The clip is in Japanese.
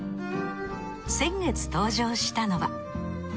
先月登場したのは。